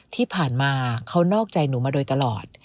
ที่ผ่านมาเขานอกใจหนูมาโดยตลอด